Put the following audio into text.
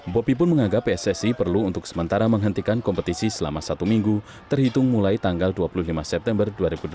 bopi pun menganggap pssi perlu untuk sementara menghentikan kompetisi selama satu minggu terhitung mulai tanggal dua puluh lima september dua ribu delapan belas